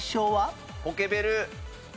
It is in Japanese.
ポケベル。